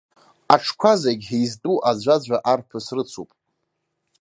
Аҽқәа зегьы изтәу аӡәаӡәа арԥыс рыцуп.